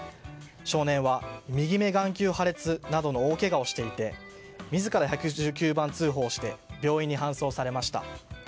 少年は右目眼球破裂などの大けがをしていて自ら１１９番通報をして病院に搬送されました。